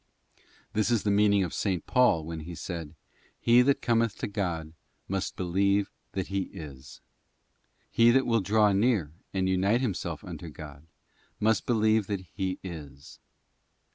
This is the meaning of S. Paul when he said, 'He that cometh to God must believe that He is.'* He that will draw near and unite himself unto God, must believe that He ' is.